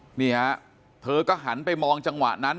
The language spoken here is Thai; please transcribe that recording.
นี่ฮะเธอก็หันไปมองจังหวะนั้น